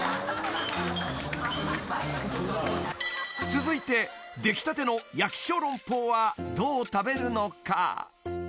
［続いて出来たての焼きショーロンポーはどう食べるのか？］